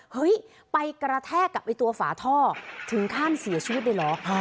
เฮ้ยไปกระแทกกับไอ้ตัวฝาท่อถึงขั้นเสียชีวิตเลยเหรอ